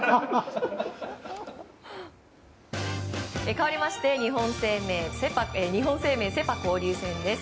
かわりまして日本生命セ・パ交流戦です。